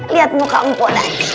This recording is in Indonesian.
lihat muka mpok